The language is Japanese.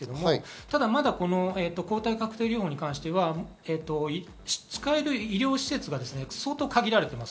ただ、まだ抗体カクテル療法に関しては、使える医療施設が相当限られています。